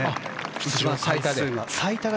一番最多で？